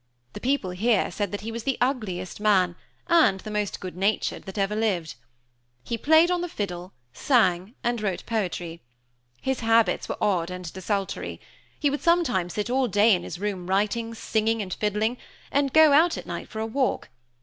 The people here said that he was the ugliest man, and the most good natured, that ever lived. He played on the fiddle, sang, and wrote poetry. His habits were odd and desultory. He would sometimes sit all day in his room writing, singing, and fiddling, and go out at night for a walk.